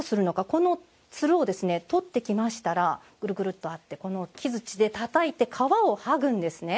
このつるをとってきましたらぐるぐるっとあって木づちでたたいて皮をはぐんですね。